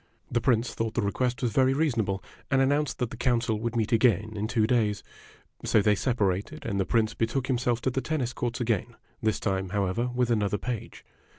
The Prince thought the request was very reasonable, and an nounced that the council would meet again in two days. So they separated, and the Prince betook himself to the tennis courts again, this time, however, with another page.